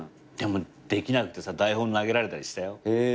でもできなくてさ台本投げられたりしたよ。